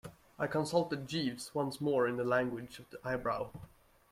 I consulted Jeeves once more in the language of the eyebrow.